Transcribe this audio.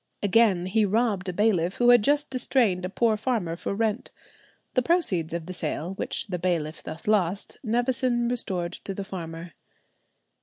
Again, he robbed a bailiff who had just distrained a poor farmer for rent. The proceeds of the sale, which the bailiff thus lost, Nevison restored to the farmer.